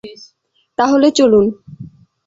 তা হলে চলুন।